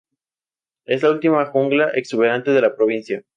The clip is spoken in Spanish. Es la última jungla exuberante de la provincia.